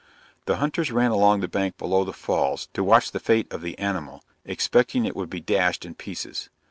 The hunters ran along the bank below the falls, to watch the fate of the animal, expecting it would be dashed in pieces.